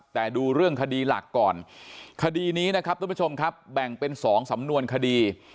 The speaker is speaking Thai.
แต่ดูเรื่องคดีหลักก่อนคดีนี้นะครับทุกผู้ชมครับแบ่งเป็น๒สำนวนคดี